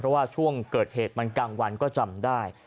เพราะว่าช่วงเกิดเหตุมันกลางวันก็จำได้